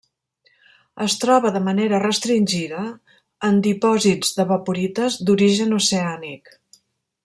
Es troba de manera restringida en dipòsits d'evaporites d'origen oceànic.